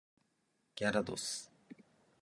ギャラドス